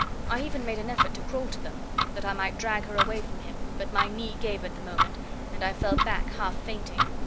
I even made an effort to crawl to them, that I might drag her away from him, but my knee gave at the movement and I fell back half fainting.